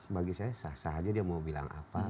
bagi saya sah sah aja dia mau bilang apa